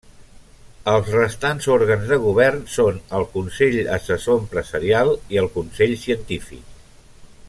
Els restants òrgans de govern són el Consell Assessor Empresarial i el Consell Científic.